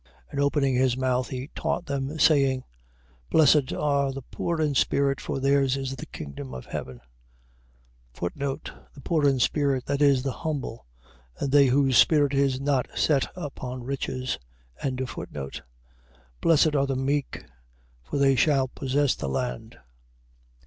5:2. And opening his mouth he taught them, saying: 5:3. Blessed are the poor in spirit: for theirs is the kingdom of heaven. The poor in spirit. . .That is, the humble; and they whose spirit is not set upon riches. 5:4. Blessed are the meek: for they shall possess the land.